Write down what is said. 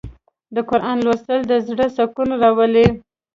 د قرآن لوستل د زړه سکون راولي.